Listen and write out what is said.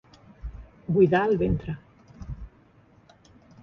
Buidar el ventre.